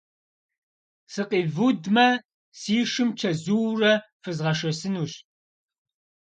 Сыкъивудмэ, си шым чэзуурэ фызгъэшэсынущ.